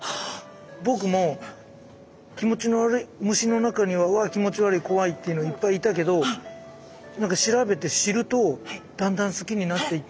僕も気持ちの悪い虫の中にはうわ気持ち悪い怖いっていうのいっぱいいたけど何か調べて知るとだんだん好きになっていったもの。